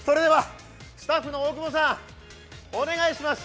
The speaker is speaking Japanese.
スタッフの大久保さん、お願いします。